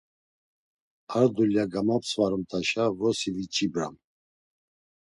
Ar dulya gamapsvarumt̆aşa, vrosi viç̌ibram.